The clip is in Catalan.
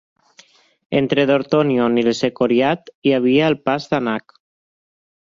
Entre Dorthonion i les Echoriath hi havia el Pas d'Anach.